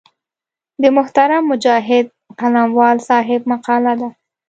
د محترم مجاهد قلموال صاحب مقاله ده.